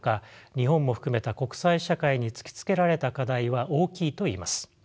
日本も含めた国際社会に突きつけられた課題は大きいといえます。